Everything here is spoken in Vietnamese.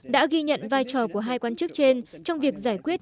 đã ghi nhận vai trò của hai quan chức trên trong việc giải quyết